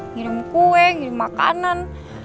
ngirim kue ngirim makanan